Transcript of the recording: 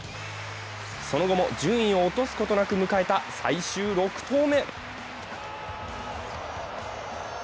その後も順位を落とすことなく迎えた最終６投目。